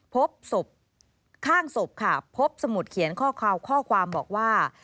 พบศพข้างศพค่ะพบสมุดเขียนข้อคาวข้อความบอกว่า